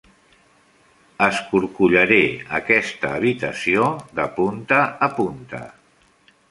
Escorcollaré aquesta habitació de punta a punta.